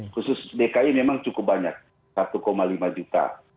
khusus dki memang cukup banyak satu lima juta